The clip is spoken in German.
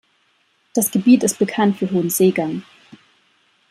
Das Gebiet ist bekannt für hohen Seegang.